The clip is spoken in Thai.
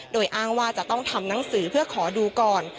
โดยอ้างว่าจะต้องทำหนังสือเพื่อขอดูก่อน